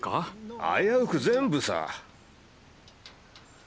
あやうく全部さ。